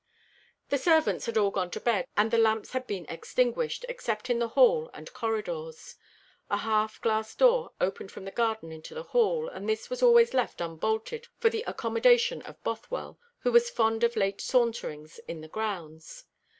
The servants had all gone to bed, and the lamps had been extinguished, except in the hall and corridors. A half glass door opened from the garden into the hall, and this was always left unbolted for the accommodation of Bothwell, who was fond of late saunterings in the grounds.